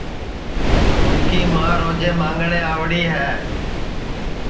اُن کی ماں روجے مانٚگٹؔے آوڑی ہے